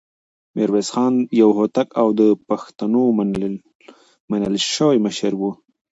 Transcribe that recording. ميرويس خان يو هوتک او د پښتنو منل شوی مشر و.